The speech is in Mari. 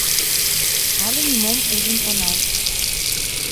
Але нимом ужын онал.